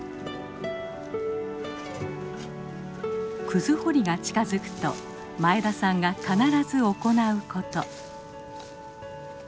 クズ掘りが近づくと前田さんが必ず行うこと。